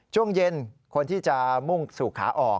ช่วงเย็นคนที่จะมุ่งสู่ขาออก